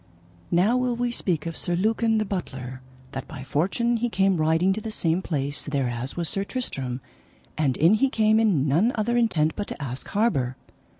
Now will we speak of Sir Lucan the butler, that by fortune he came riding to the same place thereas was Sir Tristram, and in he came in none other intent but to ask harbour.